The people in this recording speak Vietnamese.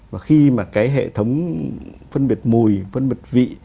và khi mà cái hệ thống phân biệt mùi phân biệt vị